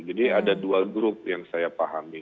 jadi ada dua grup yang saya pahami